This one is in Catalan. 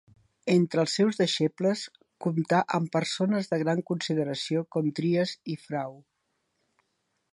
Entre els seus deixebles comptà amb persones de gran consideració com Tries i Frau.